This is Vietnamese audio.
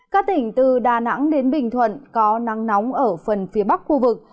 các tỉnh từ đà nẵng đến bình thuận có nắng nóng ở phần phía bắc khu vực